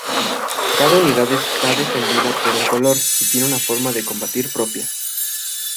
Cada unidad está definida por un color y tiene una forma de combatir propia.